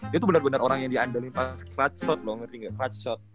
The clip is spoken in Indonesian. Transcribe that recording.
dia tuh bener bener orang yang diandalkan pas crudshot loh ngerti gak crudshot